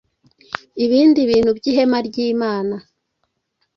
ibindi bintu by ihema ry imana